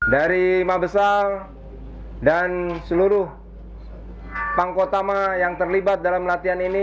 dari mabesal dan seluruh pangkotama yang terlibat dalam latihan ini